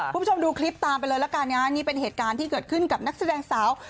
คุณผู้ชมดูคลิปตามไปเลยละกันนะนี่เป็นเหตุการณ์ที่เกิดขึ้นกับนักแสดงสาว